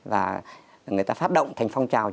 và người ta phát động thành phong trào